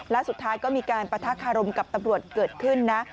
และสุดท้ายก็มีการปะทะคารมกับตำรวจเกิดขึ้นนะ